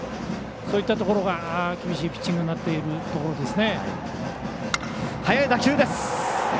そういったところが厳しいピッチングになっていますね。